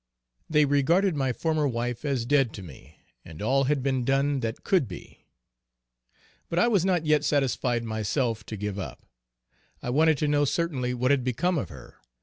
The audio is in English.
They regarded my former wife as dead to me, and all had been done that could be. But I was not yet satisfied myself, to give up. I wanted to know certainly what had become of her.